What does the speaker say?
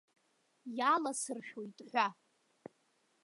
Иаласыршәоит ҳәа.